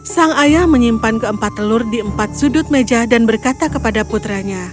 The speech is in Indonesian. sang ayah menyimpan keempat telur di empat sudut meja dan berkata kepada putranya